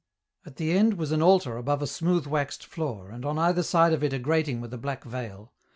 At the end was an altar above a smooth waxed floor, and on either side of it a grating with a black veil.